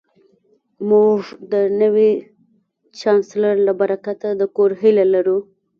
موږ د نوي چانسلر له برکته د کور هیله لرو